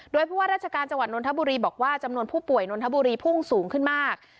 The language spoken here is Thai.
โดยผู้ว่าราชการจังหวัดนทบุรีบอกว่าจำนวนผู้ป่วยนนทบุรีพุ่งสูงขึ้นมาก